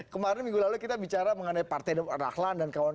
kemarin minggu lalu kita bicara mengenai partai rakhlan dan kewanganan